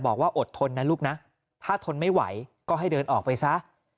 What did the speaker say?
อดทนนะลูกนะถ้าทนไม่ไหวก็ให้เดินออกไปซะ